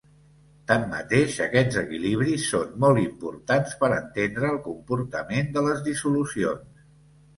Tanmateix aquests equilibris són molt importants per entendre el comportament de les dissolucions.